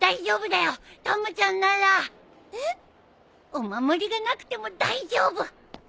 お守りがなくても大丈夫。